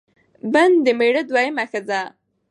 بن د مېړه دوهمه ښځه